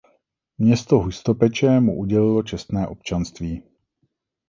Město Hustopeče mu udělilo čestné občanství.